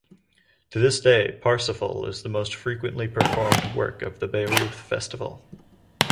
To this day "Parsifal" is the most frequently performed work of the Bayreuth Festival.